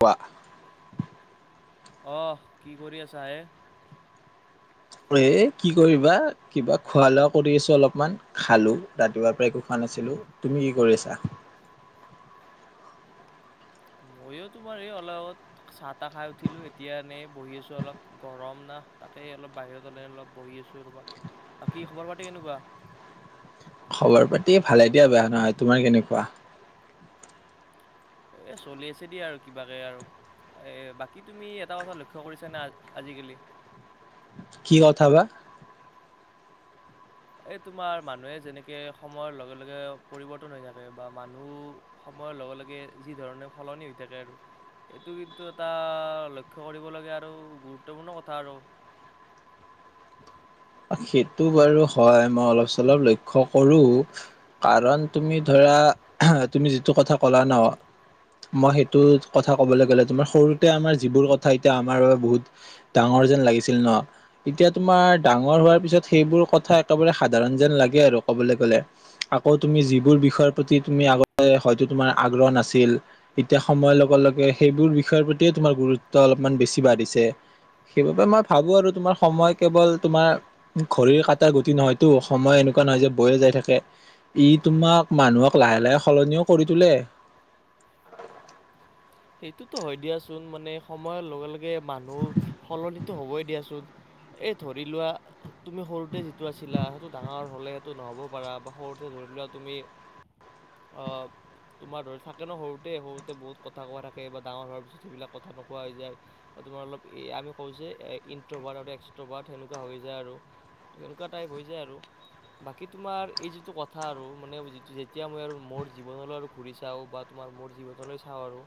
প আহ কি কৰি আছা এ এ কি কৰিবা কিবা খোৱা লোৱা কৰি আছো অলপমান। খালো ৰাতিপুৱাৰ পৰা একো খোৱা- তুমি কি কৰি আছা? মইও তোমাৰ এই অলপ আগত চাহ তাহ খাই উঠিলো এতিয়া এনেই বহি আছো অলপ গৰম না। তাকে অলপ বাহিৰত ওলাই অলপ বহি আছো ৰবা বাকী খবৰ খাতি কেনেকুৱা খবৰ পাতি ভালে দিয়া বেয়া নহয় তোমাৰ কেনেকুৱা এ চলি আছে দিয়া আৰু কিবাকে আৰু। এ বাকী তুমি এটা কথা লক্ষ্য কৰিছা নে আজিকালি কি কথা বা? এই তোমাৰ মানুহে যেনেকে সময়ৰ লগে লগে পৰিৱৰ্তন হৈ থাকে বা মানুহ। সময়ৰ লগে লগে যি ধৰণে সলনি হৈ থাকে আৰু। এইটো কিন্তু এটা লক্ষ্য কৰিবলগীয়া আৰু গুৰুত্বপূৰ্ণ কথা আৰু। [unintelligible] সেইটো বাৰু হয় মই অলপ চলপ লক্ষ্য কৰো কাৰণ তুমি ধৰা তুমি যিটো কথা ক'লা ন মই সেইটো কথা কবলৈ গ'লে তোমাৰ সৰুতে আমাৰ যিবোৰ কথা এতিয়া আমাৰ বাবে বহুত ডাঙৰ। যেন লাগিছিল ন, এতিয়া তোমাৰ ডাঙৰ হোৱাৰ ত পিছত সেইবোৰ কথা একেবাৰে সাধাৰণ যেন লাগে আৰু ক'বলৈ গলে। আকৌ তুমি যিবোৰ বিষয় প্ৰতি- তি আগ হয়টো তোমাৰ আগ্ৰহ নাছিল এতিয়া সময়ৰ লগে লগে সেইবোৰ বিষয়ৰ প্ৰতিয়ে তোমাৰ গুৰুত্ব অলপমান বেছি বাঢ়িছে সেইবাবে মই ভাবো আৰু তোমাৰ সময় কেৱল তোমাৰ- ঘড়ী কাটা গুটি নহয়তো সময় এনেকুৱা নহয় যে বয়ে যাই থাকে ই তোমাক মানুহক লাহে ল লাহ সলনিও কৰি তোলে। সেইটোতো হয় দিয়াচোন মানে সময়ৰ লগে লগে মানুহ সলনি- টো হ'বই দিয়াচোন। এই ধৰি লোৱা তুমি সৰুতে যিটো আছিলা সেইটো ডাঙৰ হ'লে সেইটো নহ- হ'ব পাৰা বা সৰুতে ধৰি লোৱা তুমি- অ তোমাৰ ধৰি থাকে ন সৰুতে। সৰুতে বহুত কথা- কথা কোৱা থাকে বা ডাঙৰ হোৱাৰ পিছত সেইবিলাক কথা নোকোৱা হৈ যায় আৰু তোমাৰ অলপ আমি কওঁ যে ইণ্ট্ৰ হ- এক্সট্ৰ বাৰ্থ সেনেকুৱা হৈ যায় আৰু সেনেকুৱা টাইপ হৈ যায় আৰু। বাকী তোমাৰ এই যিটো কথা আৰু মানে যেতিয়া মই আৰু মোৰ জীৱনলৈ ঘুৰি চাওঁ বা- তোমাৰ মোৰ জীৱনলৈ চাওঁ আৰু।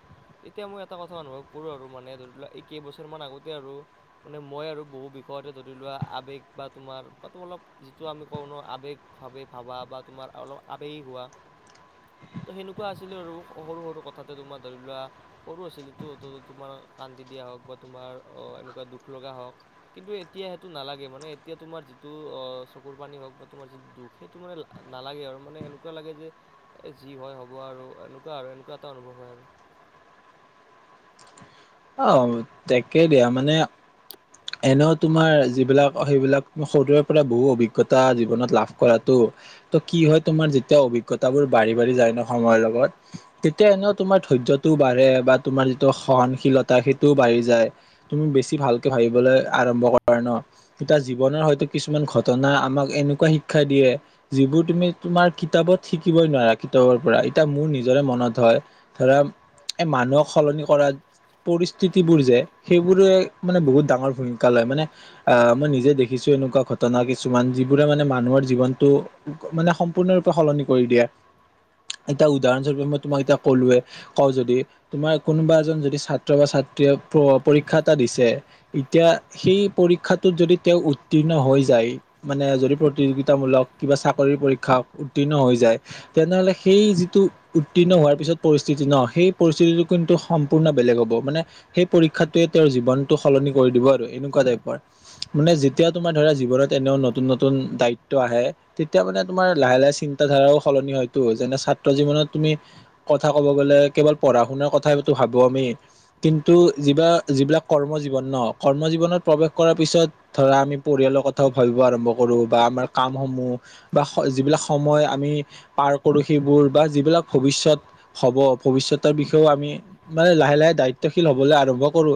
তেতিয়া মই এটা কথা অনুভৱ কৰো আৰু মানে ধৰি লোৱা এই কেইবছৰ মান আগতে আৰু মানে মই আৰু বহুত। বিষয়তে ধৰি লোৱা আৱেগ বা তোমাৰ বা তোম অলপ যিটো আমি কওঁ নো আৱেগভাৱে ভাবা বা তোমাৰ অলপ আৱেগিক হোৱা ত সেনেকুৱা আছিলে আৰু সৰু সৰু কথাতে তোমাৰ ধৰি লোৱা সৰু আছিলোতো তোমাৰ কান্দি দিয়া হওঁক বা তোমাৰ এনেকোৱা দুখ লগা হওঁক - কিন্তু এতিয়া সেইটো নালাগে মানে এতিয়া তোমাৰ যিটো অ চকুৰ পানী হওক বা তোমাৰ যিটো দুখ সেইটো মানে নালাগে আৰু মানে এনেকুৱা লাগে যে এ যি হয় হ'ব আৰু এনেকুৱা আৰু এনেকুৱা এটা অনুভৱ হয় আৰু আহ তাকেই দিয়া মানে এনেও তোমাৰ যিবিলাক সেইবিলাক সৰুৰে পৰা বহু অভিজ্ঞতা জীৱনত লাভ কৰাতো- ত কি হয় তোমাৰ যেতিয়া অভিজ্ঞতা বোৰ বাঢ়ি বাঢ়ি যায় ন সময়ৰ লগত তেতিয়া এনেও তোমাৰ ধৈৰ্যটোও বাঢ়ে বা তোমাৰ যিটো সহনশীলতা। সেইটো বাঢ়ি যায় তুমি বেছি ভালকে ভাবিবলৈ আৰম্ভ কৰা নাৰ জীৱনৰ হয়তো। কিছুমান ঘটনা আমাক এনেকুৱা শিক্ষা দিয়ে যিবোৰ তুমি তোমাৰ কিতাপত শিকিবই নোৱাৰা। পৰা এতিয়া মোৰ নিজৰে মনত হয় ধৰা এই মানুহক সলনি কৰা। পৰিস্থিতি বোৰ যে সেইবোৰে মানে বহুত ডাঙৰ ভূমিকা লয় মানে আহ মই নিজে দেখিছো। তেনেকুৱা ঘটনা কিছুমান যিবোৰে মানে মানুহৰ জীৱনটো মানে সম্পূৰ্ণৰূপে সলনি কৰি দিয়ে। এতিয়া উদাহৰণস্বৰূপে মই তোমাক এতিয়া ক'লোৱে কওঁ যদি তোমাৰ কোনোবা এজন যদি- ছ বা ছাত্ৰীয়ে পৰীক্ষা এটা দিছে এতিয়া সেই পৰীক্ষাটোত যদি তেওঁ উত্তীৰ্ণ হৈ যায় মানে যদি প্ৰতিযোগিতামূলক কিবা চাকৰিৰ পৰীক্ষা উত্তীৰ্ণ হৈ যায়। তেনেহ'লে সেই যিটো উত্তীৰ্ণ হোৱাৰ পিছত পৰিস্থিতি ন। সেই পৰিস্থিতিটো কিন্তু সম্পূৰ্ণ বেলেগ হ'ব। মানে সেই পৰীক্ষাতয়ে তেওঁৰ জীৱনতটো সলনি কৰি দিব আৰু এনেকুৱা টাইপৰ মানে যেতিয়া তোমাৰ ধ জীৱনত এনেও নতুন, নতুন দায়িত্ব আহে তেতিয়া মানে তুমাৰ লাহে লাহে চিন্ত ধাৰাও সলনি হয়তো যেনে ছাত্ৰ জীৱনত তুমি কথা ক'ব গ'লে কেৱল পঢ়া শুনাৰ কথাইটো ভাবোঁ আমি। কিন্তু যিবা যিবিলাক কৰ্ম জীৱন ন কৰ্ম জীৱনত প্ৰৱেশ কৰাৰ পিছত ধৰা আমি পৰিয়ালৰ। কথাওঁ ভাবিৱ আৰম্ভ কৰোঁ বা আমাৰ কাম সমূহ বা যিবিলাক সময় আমি পাৰ কৰোঁ- বোৰ বা যিবিলাক ভৱিষয়ত হ'ব ভৱিষয়তৰ বিষয়েও আমি মানে লাহে লাহে দায়িত্ব। শীল হবলৈ আৰম্ভ কৰোঁ।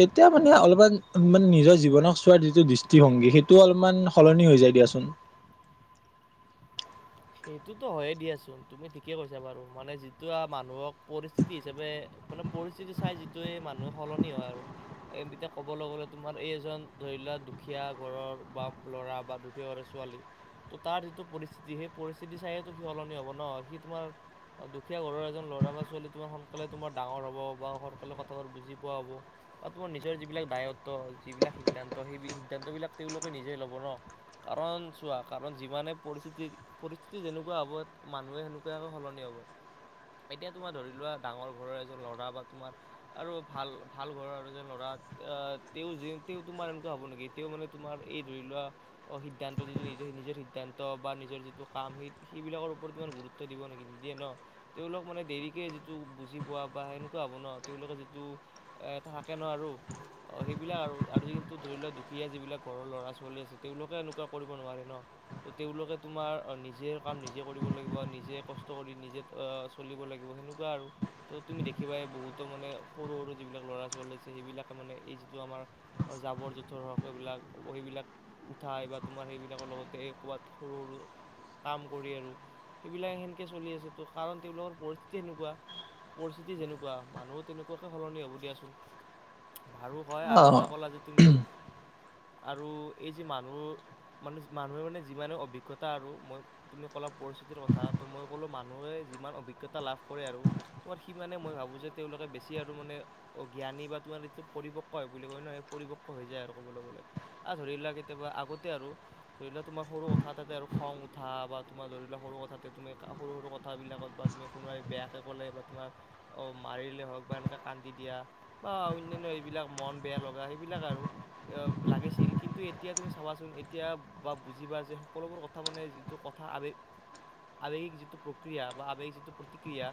তেতিয়া মানে অলপমান মানে নিজৰ জীৱনক চোৱাৰ যিটো দৃষ্টিভংগী সেইটোও অলপমান সলনি হৈ যায় দিয়াচোন। [inaudible] সেইটোতো হয়য়ে দিয়াচোন তুমি ঠিকে কৈছা বাৰু মানে যিটো মানুহক পৰিস্থিতি হিচাপে- মানে পৰিস্থিতি চাই যিটোৱে মানুহে সলনি হয় আৰু এ এতিয়া ক'বলৈ গ'লে তোমাৰ এই এজন ধৰি লওক দুখীয়া ঘৰৰ বা ল'ৰা বা দুখীয়া ঘৰৰ ছোৱালী ত তাৰ যিটো পৰিস্থিতি সেই পৰিস্থিতি চায়য়েতো সি সলনি হ'ব ন সি তোমাৰ দুখীয়া ঘৰৰ এজন ল'ৰা বা ছোৱালী তোমাৰ সোনকালে তোমাৰ। ডাঙৰ হ'ব বা সৰকলৰ কথাবোৰ বুজি পোৱা হ'ব বা তোমাৰ নিজৰ যিবিলাক দায়ত্ব যিবিলাক সিদ্ধান্ত। ত' সেই সিদ্ধান্তবিলাক তেওঁলোকে নিজেই ল'ব ন। কাৰণ চোৱা কাৰণ যিমানে পৰিস্থিতি- পৰিস্থিতি যেনেকুৱা হ'ব মানুহে সেনেকোৱা কৈ সলনি হ'ব। এতিয়া তোমাৰ ধৰি লোৱা ডাঙৰ ঘৰৰ এজন ল'ৰা বা তোমাৰ আৰু ভাল ভাল ঘৰৰ এজন ল'ৰা। আহ তেওঁ যে তেওঁ তোমাৰ এনেকুৱা হব নেকি তেওঁ মানে তোমাৰ এই ধৰি লোৱা অ সিদ্ধান্ত যিটো নিজৰ সিদ্ধান্ত বা নিজৰ যিটো কাম স সেইবিলাকৰ ওপৰত ইমান গুৰুত্ব দিব নেকি নিদিয়ে ন তেওঁলোক মানে দেৰিকে যিটো বুজি পোৱা বা সেনেকুৱা হ'ব ন তেওঁলোকে যিটো এ এটা থাকে ন আৰু। অ সেইবিলাক আৰু আৰু যি কিন্তু ধৰি লোৱা দুখীয়া যিবিলাক ঘৰৰ লৰা ছোৱালী আছে তেওঁলোকে এনেকুৱা কৰিব নোৱাৰে ন। ত' তেওঁলোকে তোমাৰ- নিজে কাম নিজে কৰিব লাগিব নিজে কষ্ট কৰি নিজে চলিব লাগিব সেনেকুৱা আৰু ত' তুমি দেখিবা বহুতো মানে সৰু সৰু যিবিলাক ল'ৰা ছোৱালী আছে সেইবাকে মানে এই যিটো আমাৰ যাব- পৰট হওক এইবিলাক সেইবিলাক উঠাই বা তোমাৰ সেইবিলাকৰ লগতে ক'ৰবাত সৰু সৰু। কাম কৰি আৰু সেইবিলাক সেনেকে চলি আছে ত কাৰণ তেওঁলোকৰ পৰিস্থিতি সেনেকোৱা পৰিস্থিতি যেনেকুৱা, মানুহো তেনেকুৱাকে সলনি হ'ব দিয়াচোন। ভালো হয় আৰু অ এটা ক'লা যে তুমি আৰু এই যে মানুহ, মান মানুহে মানে যিমানে অভিজ্ঞত আৰু মই তুমি কলা পৰিস্থিতিৰ কথা ত মই ক'লো মানুহে যিমান অভিজ্ঞতা লাভ কৰে আৰু তোমাৰ সিমানে মই ভাবো যে তেওঁলোকে বেছি আৰু মানে অ জ্ঞানী বা তোমাৰ পৰিপক্ক হয় বুলি কয় নহয় এই প ৰিপক্ক হৈ যায় কবলৈ গলে। ধৰি লোৱা কেতিয়াবা আগতে আৰু ধৰি লোৱা তোমাৰ সৰু কথা এটাতে আৰু খং উঠা বা তোমাৰ ধৰি লওক সৰু কথাতে তুমি সৰু সৰু কথাবিলাকত বা তুমি কোনোবাই বেয়াকৈ ক'লে বাট তোমাৰ অ মাৰিলে হওক বা এনেকৈ কান্দি দিয়া বা অন্যান্য এইবিলাক মন বেয়া লগা সেইবিল বিলাক আৰু লাগিছিল কিন্তু এতিয়া তুমি চাবাচোন, এতিয়া বা বুজিবা যে সকলোবোৰ ক থা মানে যিটো কথা আবেগ আৱেগিক যিটো প্ৰক্ৰিয়া বা আবেগিক যিটো প্ৰতিক্ৰিয়া,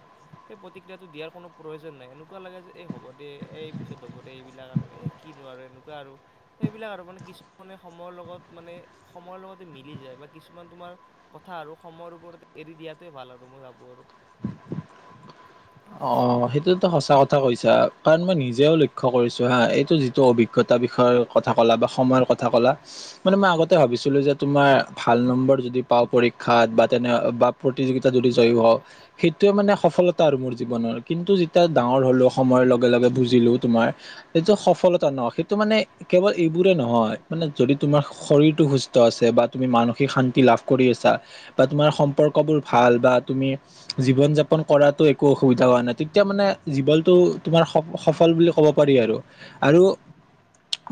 সেই প্ৰতিক্ৰিয়াটো দিয়াৰ কোনো প্ৰয়োজন নাই এনেকুৱা লাগে যে এই হ'ব দে, এই পিছত হব দে এইবিলাক আৰু এ কিনো আৰু এনেকুৱা আৰু এইবিলাক আৰু মানে কি কিছুমানে সময়ৰ লগত মানে সময়ৰ লগতে মিলি যায় বাট কিছুমান তোমাৰ কথা আৰু সময়ৰ ওপৰতে এৰি দিয়াতোৱে ভাল আৰু মই ভাবো আৰু। [inaudible] অ সেইটোতো সঁচা কথা কৈছা কাৰণ মই নিজেও লক্ষ্য কৰিছো হা এইটো যিটো অভিজ্ঞতা বিষয়ৰ কথা কলা বা সময়ৰ কথা কলা, মানে মই আগতে ভাবিছিলো যে তোমাৰ ভাল নম্বৰ যদি পাওঁ পৰীক্ষাত বা তেনে বা প্ৰতিযোগিতা যদি জয়ী হও, সেইটোয়ে মানে সফলতা আৰু মোৰ জীৱনৰ কিন্তু যেতিয়া ডাঙৰ হলো সময়ৰ লগে লগে বুজিলো তোমাৰ সেইটো সফলতা ন সেইটো মানে কেৱল এইবোৰে নহয় মানে যদি তোমাৰ শৰীৰটো সুস্থ আছে বা তুমি মানসিক শান্তি লাভ কৰি আছা বা তোমাৰ সম্পৰ্ক বোৰ ভাল বা তুমি জীৱন যাপন কৰাটো একো অসুবিধা হোৱা নাই তেতিয়া মানে জীৱনটো তোমাৰ সফল বুলি ক'ব পাৰি আৰু। আৰু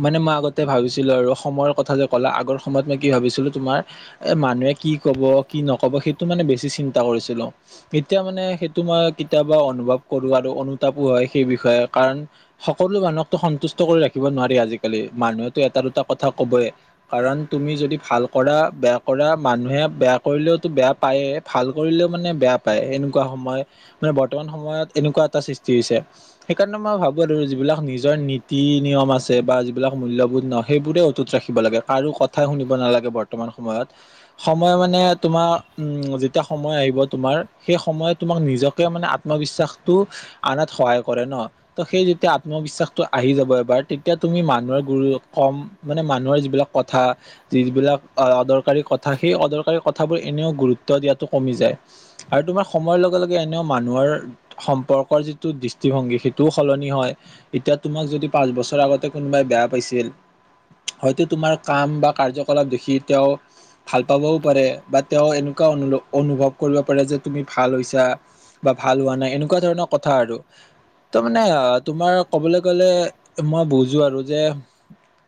মানে মই আগতে ভাবিছিলো আৰু সময়ৰ কথা যে ক'লা আগৰ সময়ত মই কি ভাবিছিলো তোমাৰ এ মান মানুহে কি কব, কি নকব সেইটো মানে বেছি চিন্তা কৰিছিলো। এতিয়া মানে সেইটো মই কেতিয়াবা অনুভৱ কৰো আৰু। অনুতাপো হয় সেই বিষয়ে কাৰণ সকলো মানুহকো সন্তোষ্ট কৰি ৰাখিব নোৱাৰি আজিকালি মানুহ ক এটা দুটা কথা কবই কাৰণ তুমি যদি ভাল কৰা বেয়া কৰা মানুহে বেয়া কৰিলেওতো বেয়া পায়েই, ভাল কৰিলেও মানে বেয়া পায়। এনেকুৱা সময় মানে বৰ্তমান সময়ত এনেকুৱা এটা সৃষ্টি হৈছে। সেইকাৰণে মই ভাবো আৰু যিবিলাক নিজৰ নীতি -নিয়ম কম আছে বা যিবিলাক মূল্যবোধ ন সেইবোৰে অটুট ৰাখিব লাগে, কাৰো কথাই শুনিব নালাগে বৰ্তমান সময়ত। সময় মানে তোমাৰ, উম যেতিয়া সময় আহিব তোমাৰ, সেই সময় তোমাক নিজক মানে আত্মবিশ্বাসটো আনাত সহায় কৰে ন, ত সেই যেতিয়া আত্মবিশ্বাসটো আহি যাব এবাৰ তেতিয়া তুমি মানুহৰ গুৰু কম মানে মানুহৰ যিবিলাক কথা যিবিলাক অদৰকাৰী কথা, সেই অদৰকাৰী কথাবোৰ এনেও গুৰুত্ব দিয়াটো কমি যায় আৰু তোমাৰ সময়ৰ লগে লগে এ নেও মানুহৰ সম্পৰ্কৰ যিটো দৃষ্টিভংগী সেইটোও সলনি হয়, এতিয়া তোমাক যদি পাঁচ বছৰ আগতে কোনোবাই বেয়া পাইছিল হয়তো তোমাৰ কাম বা কাৰ্যকলাপ দেখি তেওঁ ভাল পাবও পাৰে বা তেওঁ এনেকুৱা অনু অনুভৱ কৰিব পাৰে যে তুমি ভাল হৈছা বা ভাল হোৱা নাই এনেকুৱা ধৰণৰ কথা আৰু। ত' মানে আঁহ তোমাৰ কবলৈ গলে মই বুজো আৰু যে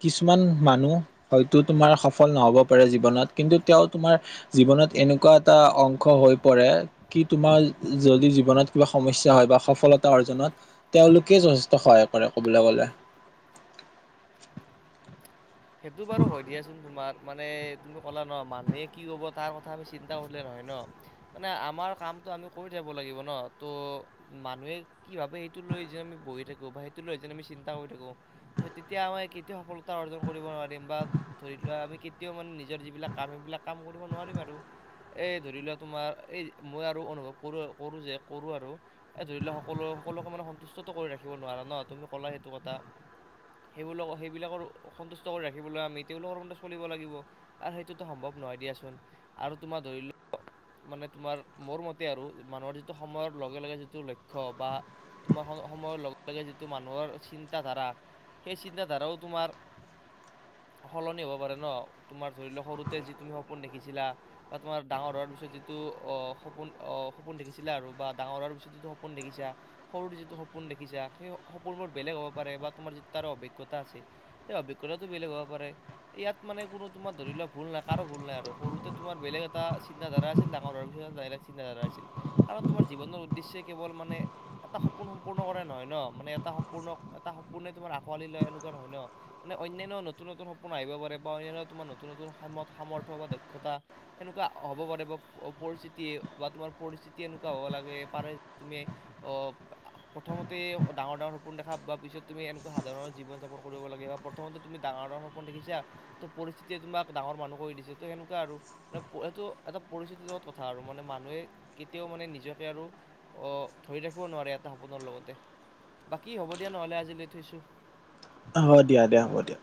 কিছুমান মানুহ হয়তো তোমাৰ সফল নহ'ব পাৰে জীৱনত কিন্তু তেওঁ তোমাৰ জীৱন ত এনেকুৱা এটা অংশ হৈ পৰে কি তোমাৰ যদি জীৱনত কিবা সমস্যা হয় বা সফলতা অৰ্জনত তেওঁলোকে যথেষ্ট সহায় কৰে ক'বলৈ গল লে। সেইটো বাৰু হয় দিয়াচোন তোমাৰ মানে তুমি ক'লা ন মানুহে কি কব তাৰ কথা আমি চিন্তা কৰিলে নহয় ন। মানে আমাৰ কাম আমি কৰি থাকিব লাগিব ন', ত' মানুহে কি ভাবে সেইটো লৈ যে আমি বহি থাকো বা সেইটো লৈ আমি চিন্তা কৰি থাকো, তেতিয়া আমাৰ কেতিয়া সফলতা অৰ্জন কৰিব নোৱাৰিম বা ধৰি লোৱা আমি কেতিয়াও মানে নিজৰ যিবিলাক কাম সেইবিলাক কাম কৰিব নোৱাৰিম আৰু। এই ধৰি লোৱা তোমাৰ এই মই আৰু অনুভৱ কৰো কৰোঁ যে কৰোঁ আৰু এই ধৰি লোৱা সকলো- সকলোকে মানে সন্তুষ্ট তো কৰি ৰাখিব নোৱাৰি ন' তুমি ক'লা সেইটো কথা সেইবিলাক সেইবিলাকৰ। অসন্তুষ্ট কৰি ৰাখিবলৈ আমি তেওঁলোকৰ মতে চলিব লাগিব আৰু সেইটোতো সম্ভৱ নহয় দিয়াচোন। আৰু তোমাক- ধৰি লোৱা। মানে তোমাৰ মোৰ মতে আৰু মানুহৰ যিটো সময়ৰ লগে লগে যিটো লক্ষ্য বা তোমাৰ সম সময়ৰ লগে লগে যিটো মানুহৰ চিন্তা ধাৰা সেই চিন্তা ধাৰাও তোমাৰ- [unintelligible] সলনি হ'ব পাৰে ন' তোমাৰ ধৰি লোৱা সৰুতে যিটো তুমি সপোন দেখিছিলা বা তোমাৰ ডাঙৰ হোৱাৰ পিছত। যিটো অ সপোন অহ সপোন দেখিছিলা আৰু বা ডাঙৰ হোৱাৰ পিছত যিটো সপোন দেখিছা সৰুৰ যিটো সপোন সপোন দেখিছা সেই সপোনবোৰ বেলেগ হ'ব পাৰে বা তোমাৰ যি তাৰ অভিজ্ঞতা আছে সেই অভিজ্ঞতাটো বেলেগ হব পাৰে ইয়াত মানে কোনো তোমাৰ ধৰি লোৱা ভুল নাই কাৰো ভুল নাই আৰু সৰুতে তোমাৰ বেলেগ। বেলেগ এটা চিন্তা ধাৰা আছিল। ডাঙৰ হলে বেলেগ চিন্তা ধাৰা আছিল কাৰ তোমাৰ জীৱনৰ উদ্দেশ্যে কেৱল মানে- এটা সপোন সম্পূৰ্ণ কৰে নহয় ন মানে এটা সম্পূৰ্ণ এটা সপোনে তোমাৰ আঁকোৱালি লয় এনেকুৱা নহয় ন। মানে অন্যান্য নতুন নতুন সপোন আহিব পাৰে বা' অনান্য তোমাৰ নতুন নতুন সামৰ সামৰ্থ বা দক্ষতা। সেনেকুৱা হ'ব পাৰে বা পৰিস্থিতিয়ে বা তোমাৰ পৰিস্থিতি এনেকুৱা হ'ব লাগে পাৰে তুমি। অ প্ৰথমতে ডাঙৰ ডাঙৰ সপোন দেখা বা পিছত তুমি এনেকুৱা সাধাৰণৰ জীৱন যাপন কৰিব লাগা প্ৰথমো তুমি ডাঙৰ ডাঙৰ সপোন দেখিছা ত' পৰিস্থিতিয়ে তোমাক ডাঙৰ মানুহ কৰি দিছে ত সেনুকা আৰু। সেইটো এটা পৰিস্থিতিৰ লগত কথা আৰু মানে মানুহে কেতিয়াও মানে নিজকে আৰু অ ধৰি ধৰি ৰাখিব নোৱাৰে এটা সপোনৰ লগতে। বাকী হ'ব দিয়া নহ'লে আজি লৈ থৈছোঁ। হয় দিয়া দিয়া হ'ব দিয়া।